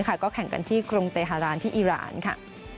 ก็แข่งกันที่กรุงเตฮารานที่อีรานค่ะ